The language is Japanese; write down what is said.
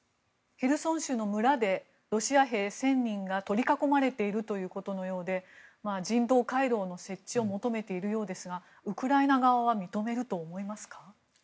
ヘルソン州の村でロシア兵１０００人が取り囲まれているということのようで人道回廊の設置を求めているようですがウクライナ側は認めると思いますか？